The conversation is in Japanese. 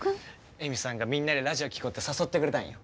恵美さんがみんなでラジオ聴こうって誘ってくれたんよ。